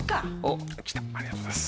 来たありがとうございます。